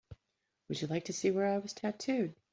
Would you like to see where I was tattooed?